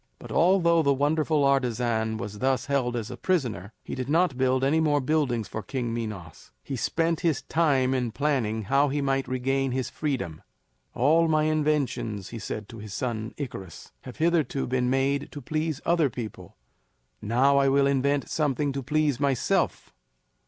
But although the wonderful artisan was thus held as a prisoner, he did not build any more buildings for King Minos; he spent his time in planning how he might regain his freedom. "All my inventions," he said to his son Icarus, "have hitherto been made to please other people; now I will invent something to please myself."